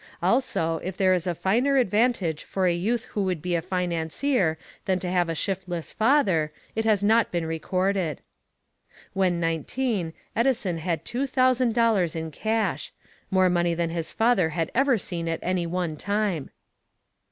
Also, if there is a finer advantage for a youth who would be a financier than to have a shiftless father, it has not been recorded. When nineteen, Edison had two thousand dollars in cash more money than his father had ever seen at any one time.